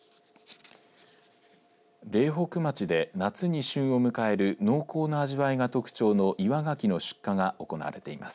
苓北町で夏に旬を迎える濃厚な味わいが特徴の岩がきの出荷が行われています。